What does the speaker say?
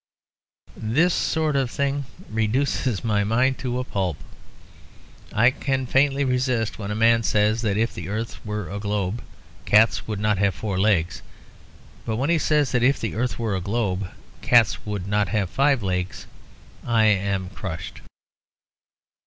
This sort of thing reduces my mind to a pulp. I can faintly resist when a man says that if the earth were a globe cats would not have four legs; but when he says that if the earth were a globe cats would not have five legs I am crushed.